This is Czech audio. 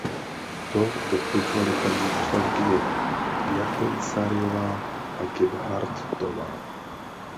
To doporučovaly paní poslankyně Jaakonsaariová a Gebhardtová.